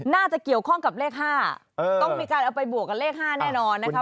น่าจะเกี่ยวข้องกับเลข๕ต้องมีการเอาไปบวกกับเลข๕แน่นอนนะคะ